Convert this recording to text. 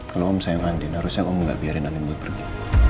kalau om sayang andin harusnya om gak biarin andin berpergi